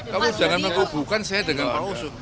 kamu jangan mengkubukan saya dengan paoso